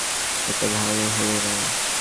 এটা ভালহোল নয়?